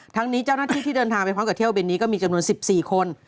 ทั้งนี้เจ้าหน้าที่ที่เดินทางไปพร้อมกับเที่ยวบินนี้ก็มีจำนวน๑๔คน